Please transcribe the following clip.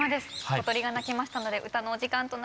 小鳥が鳴きましたので歌のお時間となります。